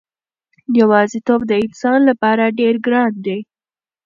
یوازېتوب د انسان لپاره ډېر ګران دی.